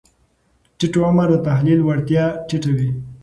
ټیټ عمر د تحلیل وړتیا ټیټه وي.